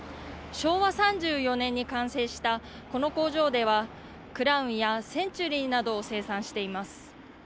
昭和３４年に完成したこの工場では、クラウンやセンチュリーなどを生産しています。